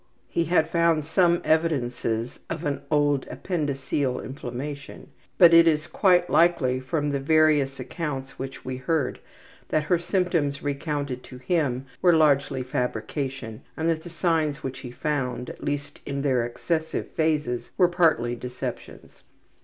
He had found some evidences of an old appendiceal inflammation, but it is quite likely from the various accounts which we heard that her symptoms recounted to him were largely fabrication and that the signs which he found, at least in their excessive phases, were partly deceptions.